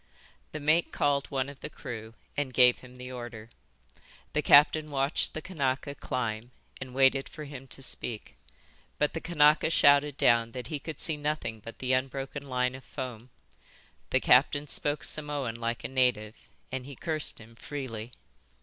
The mate called one of the crew and gave him the order. The captain watched the Kanaka climb and waited for him to speak. But the Kanaka shouted down that he could see nothing but the unbroken line of foam. The captain spoke Samoan like a native, and he cursed him freely.